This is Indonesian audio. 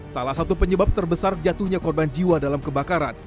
salah satu penyebab terbesar jatuhnya korban jiwa dalam kebakaran